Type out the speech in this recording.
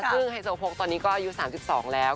ซึ่งไฮโซโพกตอนนี้ก็อายุ๓๒แล้ว